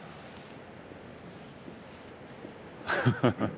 ハハハ。